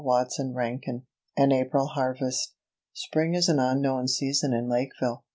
CHAPTER XXX An April Harvest SPRING is an unknown season in Lakeville.